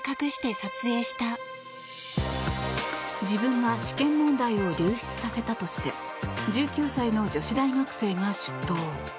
自分が試験問題を流出させたとして１９歳の女子大学生が出頭。